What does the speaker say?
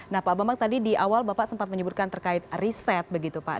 nah pak bambang tadi di awal bapak sempat menyebutkan terkait riset begitu pak